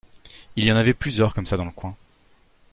Il y en avait plusieurs comme ça dans le coin.